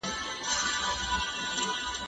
زه به سبا د ښوونځی لپاره تياری کوم!.